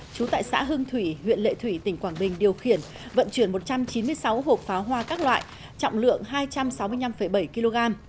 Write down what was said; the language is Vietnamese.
trú tại xã hưng thủy huyện lệ thủy tỉnh quảng bình điều khiển vận chuyển một trăm chín mươi sáu hộp pháo hoa các loại trọng lượng hai trăm sáu mươi năm bảy kg